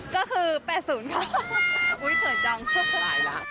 ก็คือ๘๐ครับ